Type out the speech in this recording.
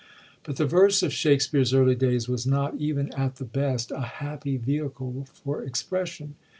But the verse of Shak spere's early days was not, even at the best, a happy vehicle for expression.